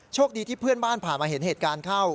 โชคดีที่เพื่อนบ้านผ่านมาเห็นเหตุการณ์เข้า